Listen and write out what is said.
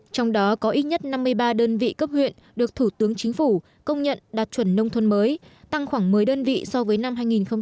trong đó có ít nhất năm mươi ba đơn vị cấp huyện được thủ tướng chính phủ công nhận đạt chuẩn nông thôn mới tăng khoảng một mươi đơn vị so với năm hai nghìn một mươi